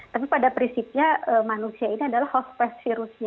tapi pada prinsipnya manusia ini adalah hostpest virusnya